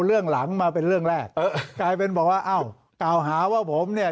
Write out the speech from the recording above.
เรื่องหลังมาเป็นเรื่องแรกกลายเป็นบอกว่าเอากล่าวหาว่าผมเนี่ย